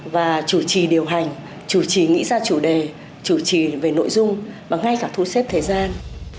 và chủ trì điều hành chủ trì nghĩ ra chủ đề chủ trì về nội dung và ngay cả thu xếp thời gian